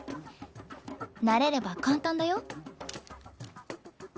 慣れれば簡単だよ。